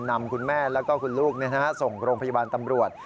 นำคุณแม่แล้วก็คุณลูกส่งโรงพยาบาลตำรวจ